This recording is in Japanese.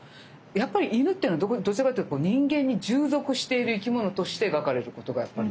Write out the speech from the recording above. やっぱり犬っていうのはどちらかというと人間に従属している生き物として描かれることがやっぱり多い。